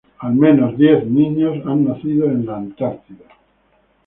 Al menos diez niños han nacido en la Antártida.